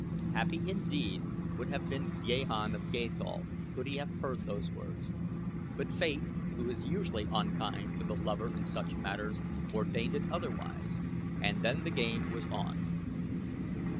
Happy indeed would have been Gahan of Gathol could he have heard those words; but Fate, who is usually unkind to the lover in such matters, ordained it otherwise, and then the game was on.